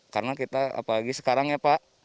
karena kita apa lagi sekarang ya pak